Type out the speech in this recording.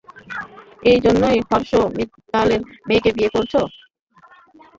এই জন্যই হর্ষ মিত্তালের মেয়েকে বিয়ে করছো?